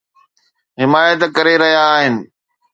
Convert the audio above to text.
حمايت ڪري رهيا آهن